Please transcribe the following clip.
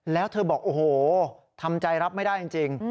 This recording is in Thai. แล้วเธอบอกโอ้โหทำใจรับไม่ได้จริง